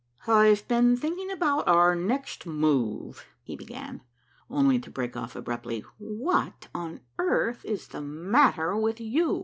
"I've been thinking about our next move," he began, only to break off abruptly. "What on earth is the matter with you?